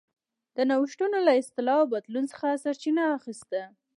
د نوښتونو له اصلاح او بدلون څخه سرچینه اخیسته.